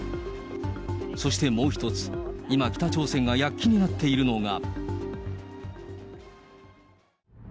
そしてもう一つ、今、北朝鮮が躍起になっているのが。